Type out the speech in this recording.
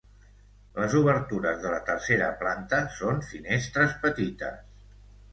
Les obertures de la tercera planta són finestres petites.